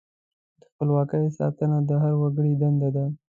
د خپلواکۍ ساتنه د هر وګړي دنده ده.